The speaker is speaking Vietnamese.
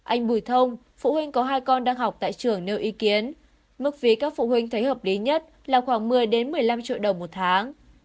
anh bùi thông phụ huynh có hai con đang học tại trường nêu ý kiến mức phí các phụ huynh thấy hợp lý nhất là khoảng một mươi một mươi năm triệu đồng một tháng